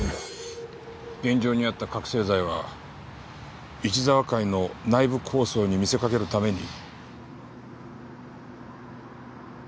現場にあった覚醒剤は一澤会の内部抗争に見せかけるために。